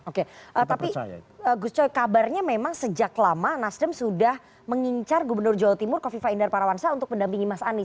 oke tapi gus coy kabarnya memang sejak lama nasdem sudah mengincar gubernur jawa timur kofifa indar parawansa untuk mendampingi mas anies